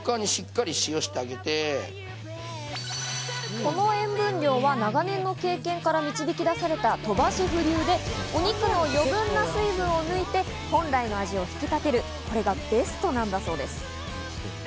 この塩分量は長年の経験から導き出された鳥羽シェフ流で、お肉の余分な水分を抜いて、本来の味を引き立てる、これがベストなんだそうです。